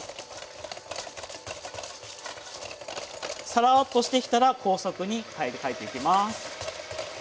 サラーッとしてきたら高速に変えていきます。